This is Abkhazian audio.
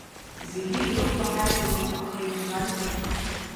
Зегьы ирыхәлаҳажьлароуп, аха ианбанӡа?